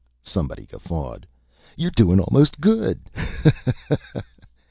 somebody guffawed. "You're doin' almost good.